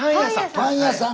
パン屋さん！